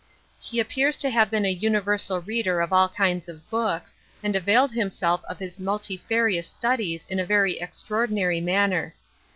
He appears to have been a universal reader of all kinds of books, and availed himself of his multifarious studies in a very extraordinary manner.